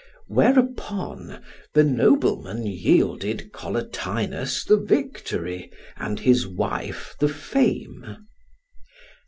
Whereupon the noblemen yielded Collatinus the victory, and his wife the fame.